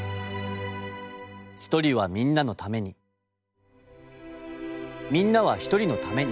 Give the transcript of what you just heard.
「一人はみんなのためにみんなは一人のために」。